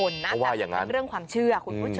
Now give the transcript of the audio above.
แต่เป็นเรื่องความเชื่อ